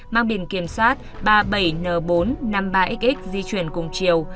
mang biển kiểm soát ba mươi bảy n bốn trăm năm mươi ba xx di chuyển cùng chiều